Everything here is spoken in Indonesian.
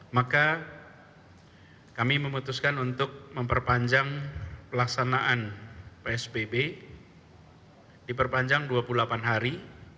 maka kami memutuskan untuk memperpanjang pelaksanaan psbb diperpanjang dua puluh delapan hari